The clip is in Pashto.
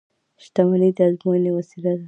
• شتمني د ازموینې وسیله ده.